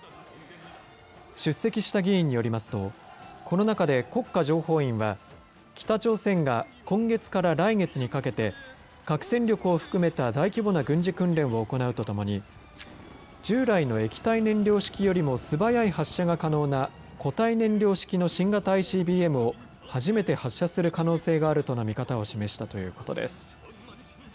出席した議員によりますとこの中で国家情報院は北朝鮮が今月から来月にかけて核戦力を含めた大規模な軍事訓練を行うとともに従来の液体燃料式よりも素早い発射が可能な固体燃料式の新型ＩＣＢＭを初めて発射する可能性があるとの見方を示したということです。